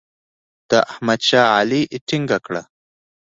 د احمد شا علي ټینګه کړه.